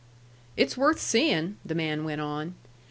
"It's worth seeing," the man went on.